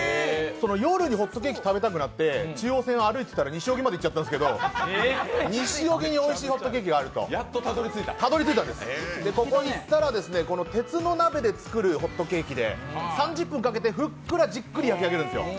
夜にホットケーキ食べたくなって、中央線を歩いていたら西荻まで行っちゃったんですけどここに行ったら鉄の鍋で作るホットケーキで３０分かけてふっくら、じっくり焼き上げるんですよ。